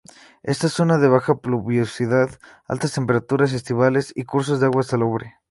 Es zona de baja pluviosidad, altas temperaturas estivales y cursos de agua salobre.